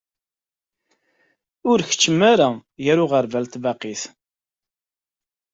Ur keččem ara gar uɣerbal d tbaqit.